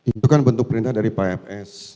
itu kan bentuk perintah dari pfs